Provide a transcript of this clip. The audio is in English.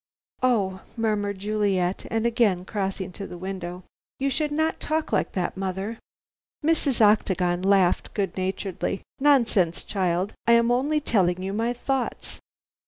"Oh," murmured Juliet, again crossing to the window, "you should not talk like that, mother!" Mrs. Octagon laughed good naturedly. "Nonsense, child. I am only telling you my thoughts.